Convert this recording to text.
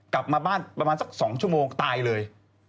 กลับมาบ้านประมาณสัก๒ชั่วโมงตายเลย